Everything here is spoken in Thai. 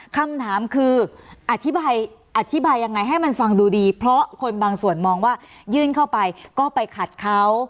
คำถามคืออธิบายอธิบายยังไงให้มันฟังดูดีเพราะคนบางส่วนมองว่ายื่นเข้าไปก็ไปขัดเขา